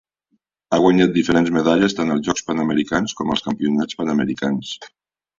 Ha guanyat diferents medalles tant als Jocs Panamericans, com als Campionats Panamericans.